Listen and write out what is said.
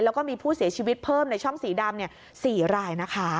แล้วก็มีผู้เสียชีวิตเพิ่มในช่องสีดำ๔รายนะคะ